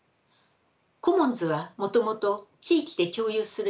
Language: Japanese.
コモンズはもともと地域で共有する資産